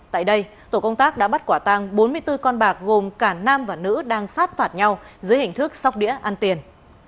tại đây tổ công tác đã bắt quả tăng bốn mươi bốn con bạc gồm cả nam và nữ đang sát phạt nhau dưới hình thức sóc đĩa ăn tiền